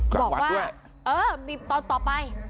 กลางวันด้วยบอกว่าเออมีตอนต่อไป